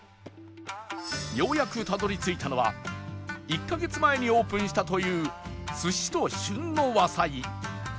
ようやくたどり着いたのは１カ月前にオープンしたという